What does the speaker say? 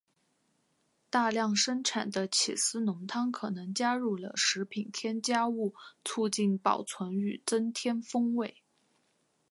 大量生产的起司浓汤可能加入了食品添加物促进保存与增添风味。